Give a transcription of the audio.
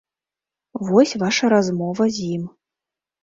Вось ваша размова з ім.